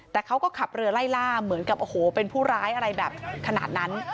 แต่เขาก็ขับเรือไล่ล่าเหมือนกับโอ้โหเป็นผู้ร้ายอะไรแบบขนาดนั้น